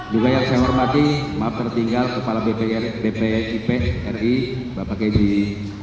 juga yang saya hormati maaf tertinggal kepala bpip ri bapak keji